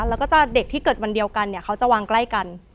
แล้วก็จะเด็กที่เกิดวันเดียวกันเนี่ยเขาจะวางใกล้กัน